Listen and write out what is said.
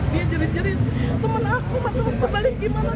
dia jerit jerit temen aku mah temen aku terbalik gimana